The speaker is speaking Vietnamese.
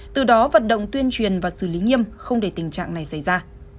từ đó vận động tuyên truyền và xử lý nghiêm không để tình trạng này xảy ra